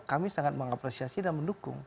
kami sangat mengapresiasi dan mendukung